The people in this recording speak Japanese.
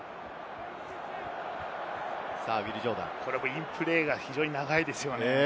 インプレーが非常に長いですよね。